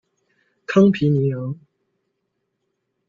康皮尼昂。